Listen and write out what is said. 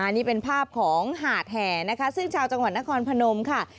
นี่เป็นภาพของหาดแห่นะคะซึ่งชาวจังหวัดนครพนมค่ะ